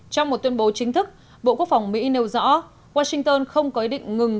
trong một tuyên bố chính thức bộ quốc phòng mỹ nêu rõ washington không có ý định ngừng